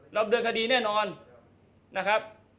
รับเรือนคดีแน่นอนนะครับ